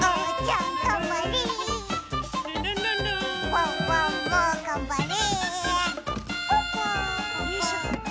ワンワンもがんばれ。